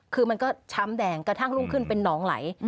คือมันก็ช้ำแดงกระทั่งรุ่งขึ้นเป็นหนองไหล